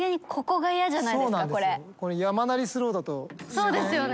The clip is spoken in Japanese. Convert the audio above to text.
そうですよね。